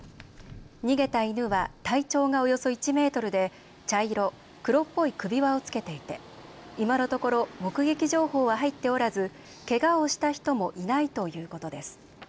逃げた犬は体長がおよそ１メートルで茶色、黒っぽい首輪をつけていて今のところ目撃情報は入っておらず、けがをした人もいないということです。